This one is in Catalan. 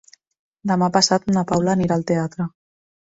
Demà passat na Paula anirà al teatre.